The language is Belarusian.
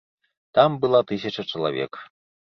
Там была тысяча чалавек.